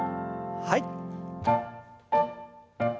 はい。